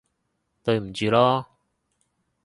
對唔住囉